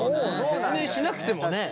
説明しなくてもね。